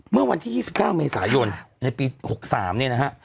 เมื่อวันที่๒๙เมษายนในปี๖๓เนี่ยนะฮะ